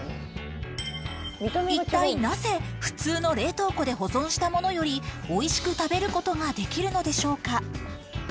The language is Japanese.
一体なぜ普通の冷凍庫で保存したものよりおいしく食べる事ができるのでしょうか？